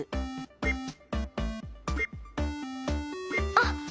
あっ！